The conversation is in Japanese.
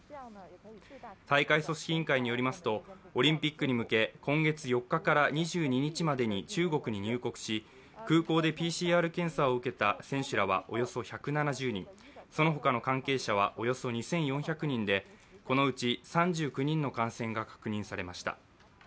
大会組織委員会によりますとオリンピックに向け今月４日から２２日までに中国に入国し空港でＰＣＲ検査を受けた選手らはおよそ１７０人その他の関係者はおよそ２４００人でこのうち３９人の感染が確認されました。